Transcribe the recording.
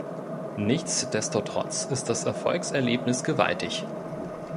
Nichtsdestotrotz ist das Erfolgserlebnis gewaltig.